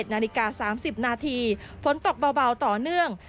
นาฬิกา๓๐นาทีฝนตกเบาต่อเนื่อง